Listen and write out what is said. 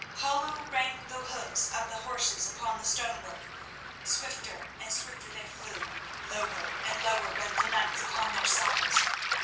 Hollow rang the hoofs of the horses upon the stonework, swifter and swifter they flew, lower and lower bent the knights upon their saddles.